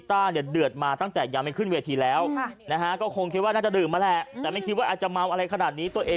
แต่สุดท้ายก็คือเจอ